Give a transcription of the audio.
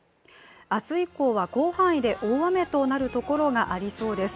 明日以降は広範囲で大雨となるところがありそうです。